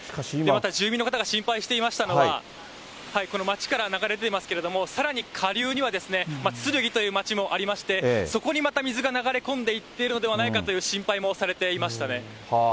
また住民の方が心配していましたのは、町から流れ出ていますけれども、さらに下流には、つるぎという町もありまして、そこにまた水が流れ込んでいっているのではないかという心配もされていましたね。